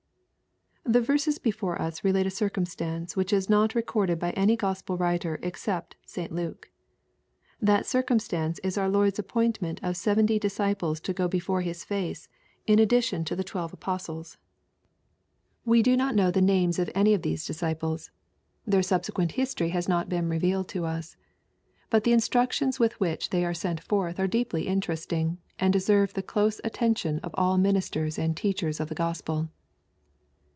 The verses before us relate a circumstance whfch is not recorded by any Gospel writer except St. Luke. That circumstance is our Lord's appointment of seventy dis ciples to go before His face, in addition to the twelve LUKE^ CHAP. X. 845 apostles. We do not know the names of any of these disciples. Their subsequent history has not been revealed to us. But the instructions with which they are sent forth are deeply interesting, and deserve the close atten tion of all ministers and teachers of the Gospel.